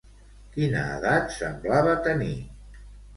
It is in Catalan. Quina edat semblava tenir?